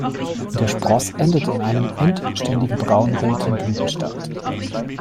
Der Spross endet in einem endständigen braunroten Blütenstand.